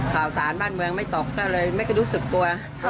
ข่าวสารบ้านเมืองไม่ตกก็เลยไม่ค่อยรู้สึกตัว